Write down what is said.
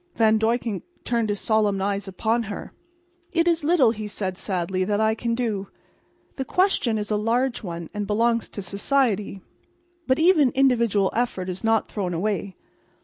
Van Duyckink turned his solemn eyes upon her. "It is little," he said, sadly, "that I can do. The question is a large one, and belongs to society. But even individual effort is not thrown away.